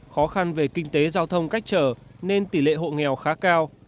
khó khăn về kinh tế giao thông cách trở nên tỷ lệ hộ nghèo khá cao